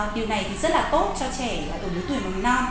điều này thì rất là tốt cho trẻ tuổi tuổi màu non